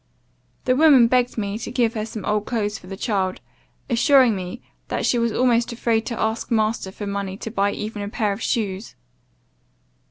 "The woman begged me to give her some old clothes for the child, assuring me, that she was almost afraid to ask master for money to buy even a pair of shoes.